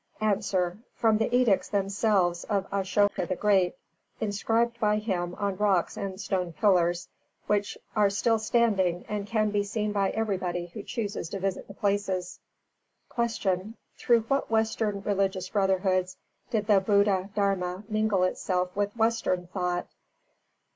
_ A. From the Edicts themselves of Ashoka the Great, inscribed by him on rocks and stone pillars, which are still standing and can be seen by everybody who chooses to visit the places. 305. Q. _Through what western religious brotherhoods did the Buddha Dharma mingle itself with western thought?